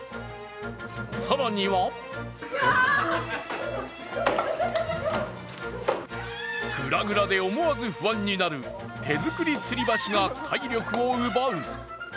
更にはぐらぐらで思わず不安になる手作りつり橋が体力を奪う。